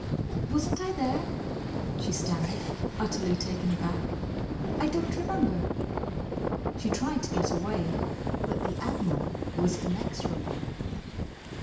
"Wasn't I there?" she stammered, utterly taken aback. "I don't remember." She tried to get away, but the Admiral was inexorable.